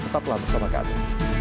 tetap telah bersama kami